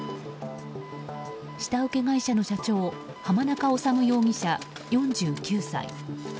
下請け会社の社長浜中治容疑者、４９歳。